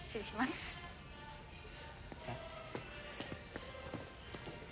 えっ？